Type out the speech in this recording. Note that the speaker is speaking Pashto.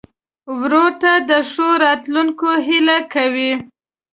ورور ته د ښو راتلونکو هیلې کوې.